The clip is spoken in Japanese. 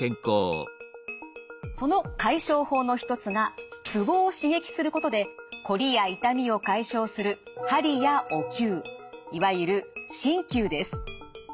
その解消法の一つがツボを刺激することでこりや痛みを解消するいわゆる鍼灸です。